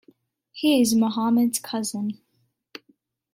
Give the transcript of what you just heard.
He is Muhammad's cousin.